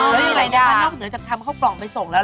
แล้วยังไงนะคะนอกเหนือจากทำข้าวกล่องไปส่งแล้ว